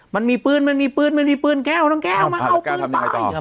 มันมีปืนมันมีปืนมันมีปืนแก้วน้องแก้วเอามาเอาปืนไปเหรอ